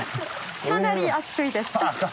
かなり熱いです。